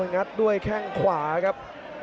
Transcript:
งัดด้วยแข้งขวาครับ